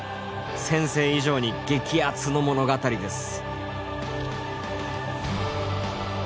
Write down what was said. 先生以上に激アツの物語です。